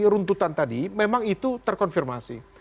runtutan tadi memang itu terkonfirmasi